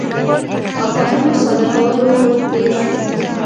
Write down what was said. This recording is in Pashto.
مفاهیمو ساده کولو تېر شو.